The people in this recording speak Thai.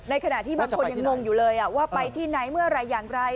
ขณะที่บางคนยังงงอยู่เลยว่าไปที่ไหนเมื่อไหร่อย่างไร